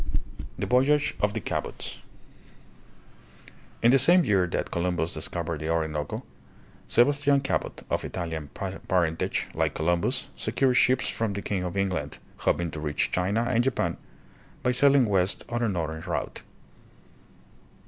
The Voyage of the Cabots. In the same year that Columbus discovered the Orinoco, Sebastian Cabot, of Italian parentage, like Columbus, secured ships from the king of England, hoping to reach China and Japan by sailing west on a northern route.